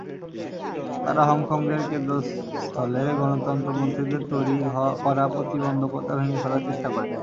তারা হংকংয়ের কেন্দ্রস্থলে গণতন্ত্রপন্থীদের তৈরি করা প্রতিবন্ধকতা ভেঙে ফেলার চেষ্টা করে।